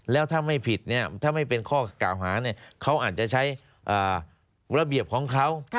แล้วถ้าไม่ผิดถ้าไม่เป็นข้อกล่าวหาเขาอาจจะใช้ระเบียบของเขา